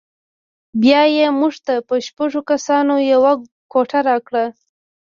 بیا یې موږ ته په شپږو کسانو یوه کوټه راکړه.